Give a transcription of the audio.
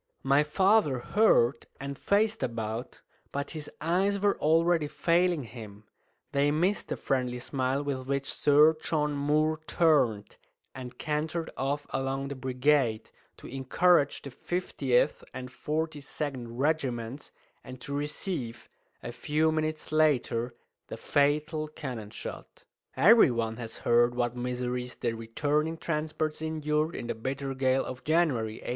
My father heard, and faced about, but his eyes were already failing him; they missed the friendly smile with which Sir John Moore turned, and cantered off along the brigade, to encourage the 50th and 42nd regiments, and to receive, a few minutes later, the fatal cannon shot. Every one has heard what miseries the returning transports endured in the bitter gale of January, 1809.